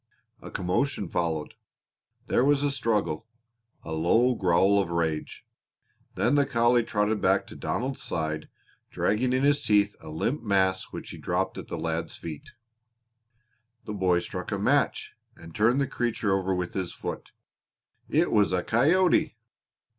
A commotion followed. There was a struggle, a low growl of rage. Then the collie trotted back to Donald's side dragging in his teeth a limp mass which he dropped at the lad's feet. The boy struck a match and turned the creature over with his foot. It was a coyote!